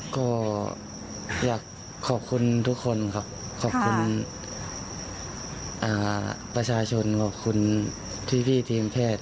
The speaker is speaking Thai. ก็อยากขอบคุณทุกคนครับขอบคุณประชาชนขอบคุณพี่ทีมแพทย์